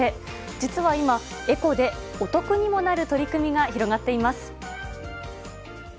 実は今、エコでお得にもなる取り組みが広がっています。